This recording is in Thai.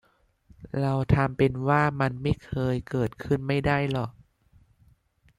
เราทำเป็นว่ามันไม่เคยเกิดขึ้นไม่ได้หรอก